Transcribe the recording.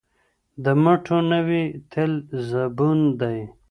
د مټو نه وي تل زبون دی